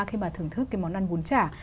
khi mà thưởng thức cái món ăn bún chả